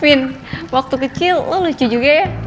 waktu kecil lo lucu juga ya